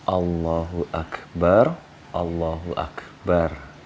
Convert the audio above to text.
allahu akbar allahu akbar